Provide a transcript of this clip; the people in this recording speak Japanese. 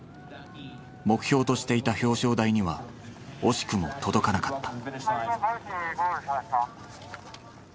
目標としていた表彰台には惜しくも届かなかった。